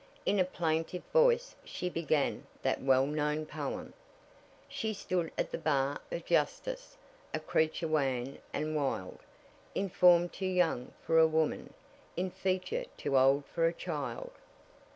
In a plaintive voice she began that well known poem: "She stood at the bar of justice, A creature wan and wild, In form too young for a woman, In feature too old for a child."